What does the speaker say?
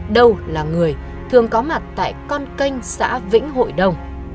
đâu là người thường có mặt tại con kênh xã vĩnh hội đông